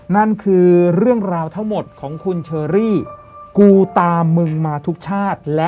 นั่นคือเรื่องราวทั้งหมดของคุณเชอรี่กูตามมึงมาทุกชาติ